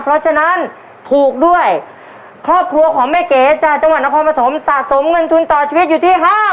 เพราะฉะนั้นถูกด้วยครอบครัวของแม่เก๋จากจังหวัดนครปฐมสะสมเงินทุนต่อชีวิตอยู่ที่ห้า